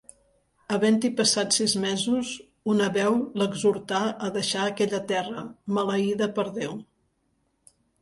Havent-hi passat sis mesos, una veu l'exhortà a deixar aquella terra, maleïda per Déu.